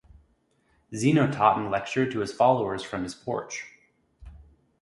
Zeno taught and lectured to his followers from this porch.